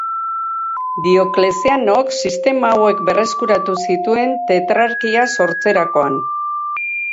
Dioklezianok sistema hauek berreskuratu zituen Tetrarkia sortzerakoan.